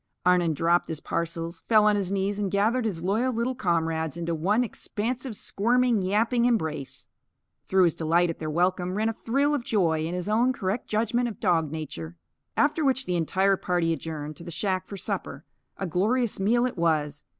Arnon dropped his parcels, fell on his knees and gathered his loyal little comrades into one expansive, squirming, yapping embrace. Through his delight at their welcome ran a thrill of joy in his own correct judgment of dog nature. After which the entire party adjourned to the shack for supper. A glorious meal it was.